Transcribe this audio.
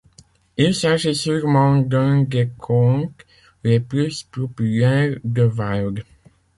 Il s'agit sûrement d'un des contes les plus populaires de Wilde.